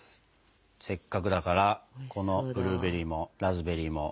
せっかくだからこのブルーベリーもラズベリーも一緒にいただきたい。